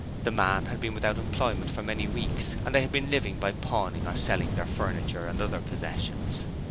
The man had been without employment for many weeks and they had been living by pawning or selling their furniture and other possessions.